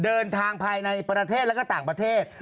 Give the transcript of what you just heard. เดินทางภายในประเทศและก็ต่างประเทศ